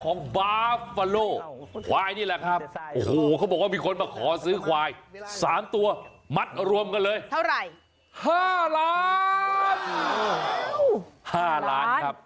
ของบาฟฟาโลควายนี่แหละครับโอ้โหเขาบอกว่ามีคนมาขอซื้อควาย๓ตัวมัดรวมกันเลยเท่าไหร่๕ล้าน๕ล้านครับ